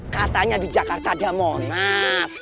katanya di jakarta ada monas